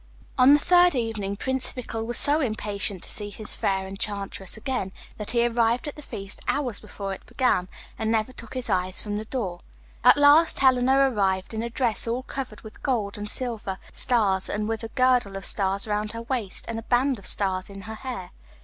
On the third evening Prince Fickle was so impatient to see his fair enchantress again, that he arrived at the feast hours before it began, and never took his eyes from the door. At last Helena arrived in a dress all covered with gold and silver stars, and with a girdle of stars round her waist, and a band of stars in her hair.